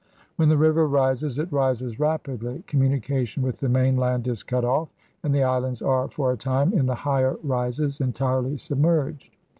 When the river rises, it rises rapidly, communication with the mainland is cut off, and the islands are for a time, in the higher rises, entirely submerged.